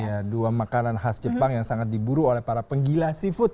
iya dua makanan khas jepang yang sangat diburu oleh para penggila seafood